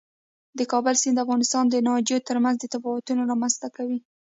د کابل سیند د افغانستان د ناحیو ترمنځ تفاوتونه رامنځ ته کوي.